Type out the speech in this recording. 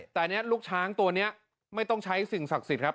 แต่อันนี้ลูกช้างตัวนี้ไม่ต้องใช้สิ่งศักดิ์สิทธิ์ครับ